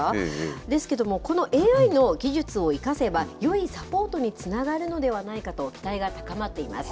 ですけども、このＡＩの技術を生かせば、よいサポートにつながるのではないかと期待が高まっています。